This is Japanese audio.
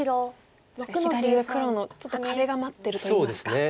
確かに左上黒のちょっと壁が待ってるといいますか。